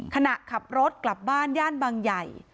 ขณะขับรถกลับบ้านย่านบางใหญ่